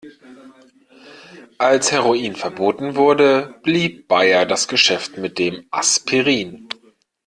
Als Heroin verboten wurde, blieb Bayer das Geschäft mit dem Aspirin.